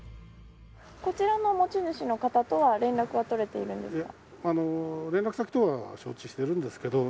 こちらの持ち主の方とは連絡は取れているんですか。